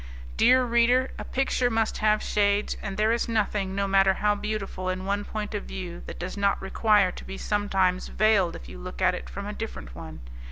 Dear reader, a picture must have shades, and there is nothing, no matter how beautiful in one point of view, that does not require to be sometimes veiled if you look at it from a different one.